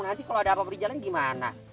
nanti kalau ada apa berjalan gimana